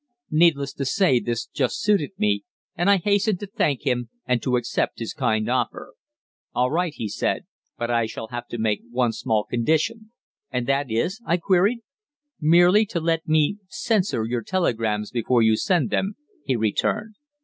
Needless to say, this just suited me, and I hastened to thank him and to accept his kind offer. 'All right,' he said, 'but I shall have to make one small condition.' "'And that is?' I queried. "'Merely to let me "censor" your telegrams before you send them,' he returned.